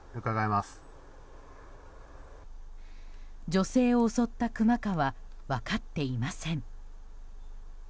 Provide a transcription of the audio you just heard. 女性を襲ったクマかは分かっていません。